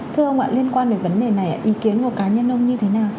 thưa ông ạ liên quan đến vấn đề này ý kiến của cá nhân ông như thế nào